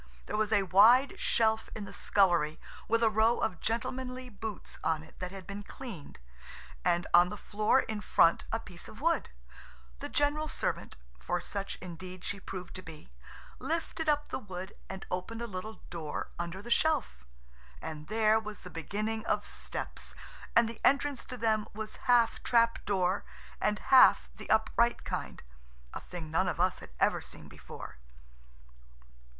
There was a wide shelf in the scullery with a row of gentlemanly boots on it that been cleaned, and on the floor in front a piece of wood. The general servant–for such indeed she proved to be–lifted up the wood and opened a little door under the shelf. And there was the beginning of steps, and the entrance to them was half trap door, and half the upright kind–a thing none of us had seen before.